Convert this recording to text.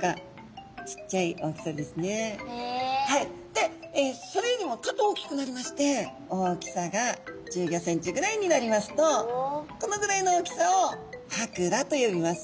でそれよりもちょっと大きくなりまして大きさが１５センチぐらいになりますとこのぐらいの大きさをハクラと呼びます。